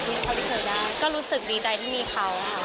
แล้วเขาติเตอร์ได้เราก็รู้สึกดีใจที่มีเขา